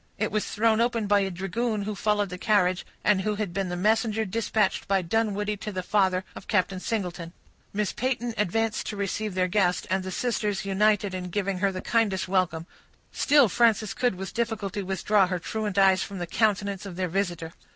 It was thrown open by a dragoon who followed the carriage, and who had been the messenger dispatched by Dunwoodie to the father of Captain Singleton. Miss Peyton advanced to receive their guest, and the sisters united in giving her the kindest welcome; still Frances could with difficulty withdraw her truant eyes from the countenance of their visitor.